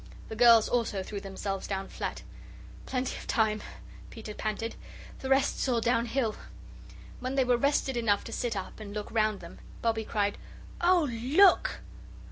The girls also threw themselves down flat. "Plenty of time," Peter panted; "the rest's all down hill." When they were rested enough to sit up and look round them, Bobbie cried: "Oh, look!"